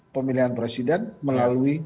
pemilihan presiden melalui